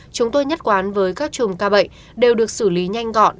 chúng tôi nhất quán với các chùm ca bệnh đều được xử lý nhanh gọn